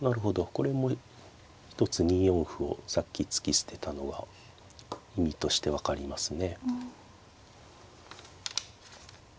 これも一つ２四歩をさっき突き捨てたのは意味として分かりますね。